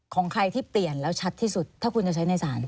ของใครที่เปลี่ยนแล้วชัดที่สุดถ้าคุณจะใช้ในศาล